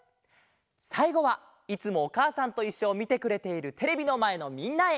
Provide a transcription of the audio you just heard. さいごはいつも「おかあさんといっしょ」をみてくれているテレビのまえのみんなへ。